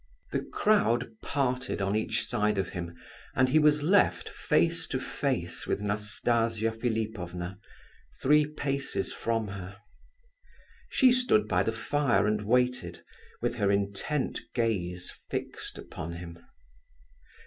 The crowd parted on each side of him and he was left face to face with Nastasia Philipovna, three paces from her. She stood by the fire and waited, with her intent gaze fixed upon him.